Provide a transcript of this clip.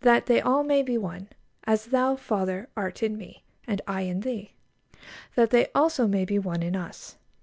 that they all may be one; as Thou, Father, art in Me, and I in Thee; that they also may be one in Us